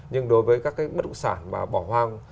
nhưng đối với các cái bất động sản mà bỏ hoang